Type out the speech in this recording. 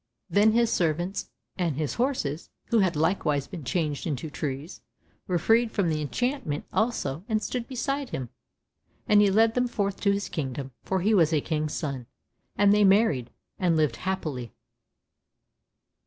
Then his servants and his horses, who had likewise been changed into trees, were freed from the enchantment also, and stood beside him. And he led them forth to his kingdom, for he was a King's son, and they married, and lived happily.